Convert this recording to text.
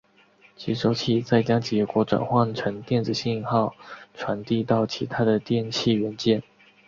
接收器再将结果转换成电子信号传递到其它的电气元件。